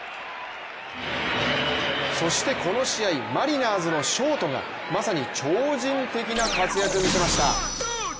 そしてこの試合、マリナーズのショートがまさに超人的な活躍を見せました。